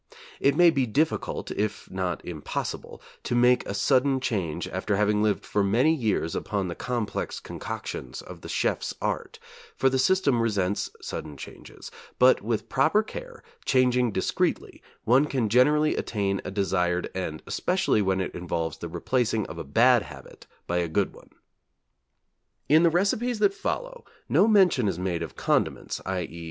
It may be difficult, if not impossible, to make a sudden change after having lived for many years upon the complex concoctions of the chef's art, for the system resents sudden changes, but with proper care, changing discreetly, one can generally attain a desired end, especially when it involves the replacing of a bad habit by a good one. In the recipes that follow no mention is made of condiments, _i.e.